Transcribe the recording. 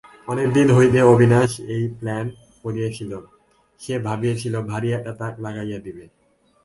অনেক দিন হইতে অবিনাশ এই প্ল্যান করিয়াছিল–সে ভাবিয়াছিল, ভারি একটা তাক লাগাইয়া দিবে।